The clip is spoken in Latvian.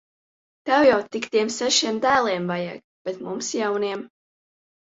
Tev jau tik tiem sešiem dēliem vajag! Bet mums jauniem.